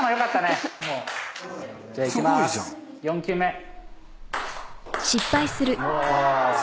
４球目」